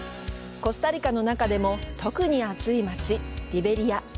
コスタリカの中でも特に暑い街リベリア。